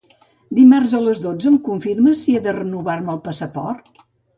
Dimarts a les dotze em confirmes si he de renovar-me el passaport?